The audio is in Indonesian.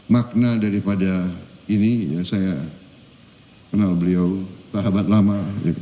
makna daripada ini saya kenal beliau sahabat lama